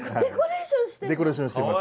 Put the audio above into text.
デコレーションしてんの？